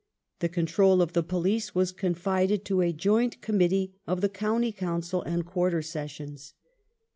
The control of the Police was confided to a joint Committee of the County Council and Quai*ter Sessions.